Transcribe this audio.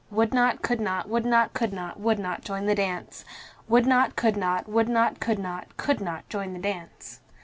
Would not, could not, would not, could not, would not join the dance. Would not, could not, would not, could not, could not join the dance.